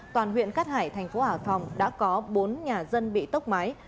toàn huyện cát hải thành phố hà phòng đã có bốn nhà dân bị tốc máy